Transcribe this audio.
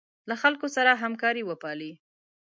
له خلکو سره همکاري وپالئ.